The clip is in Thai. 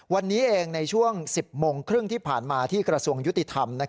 วันนี้เองในช่วง๑๐โมงครึ่งที่ผ่านมาที่กระทรวงยุติธรรม